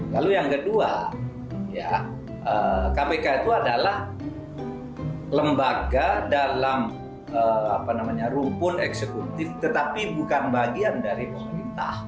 lalu yang kedua kpk itu adalah lembaga dalam rumpun eksekutif tetapi bukan bagian dari pemerintah